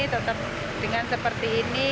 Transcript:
tetap dengan seperti ini